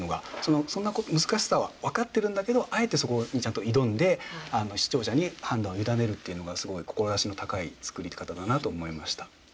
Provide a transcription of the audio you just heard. そんな難しさは分かってるんだけどあえてそこにちゃんと挑んで視聴者に判断を委ねるっていうのがすごい志の高い作り方だなと思いました。